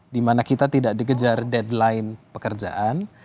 dimana kita tidak dikejar deadline pekerjaan